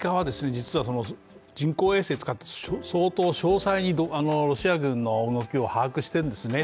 実は人工衛星使って相当詳細にどロシア軍の動きを把握してるんですね